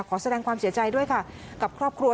ขอแสดงความเสียใจด้วยค่ะกับครอบครัว